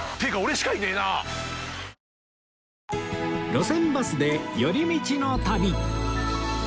『路線バスで寄り道の旅』